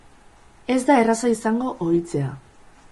Ez da erraza izango ohitzea.